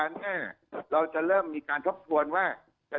เวลาหน้าเรากดลองภาษน่าว่า